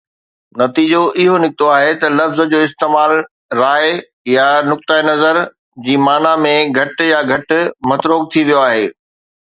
نتيجو اهو نڪتو آهي ته لفظ جو استعمال راءِ يا نقطهءِ نظر جي معنيٰ ۾ گهٽ يا گهٽ متروڪ ٿي ويو آهي.